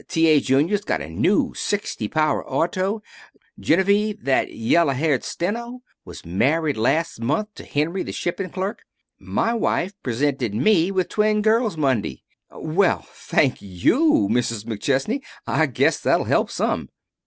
T. A. Junior's got a new sixty power auto. Genevieve that yella headed steno was married last month to Henry, the shipping clerk. My wife presented me with twin girls Monday. Well, thank you, Mrs. McChesney. I guess that'll help some."